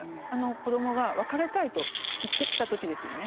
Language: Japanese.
親が別れたいと言ってきた時ですよね